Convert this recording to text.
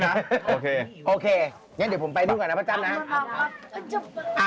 เดี๋ยวผมไปดูก่อนนะ